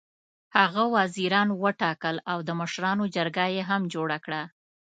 هغه وزیران وټاکل او د مشرانو جرګه یې هم جوړه کړه.